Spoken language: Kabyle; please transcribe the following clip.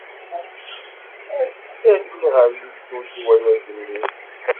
Ad k-ssaɛliɣ a Illu-iw, a Agellid.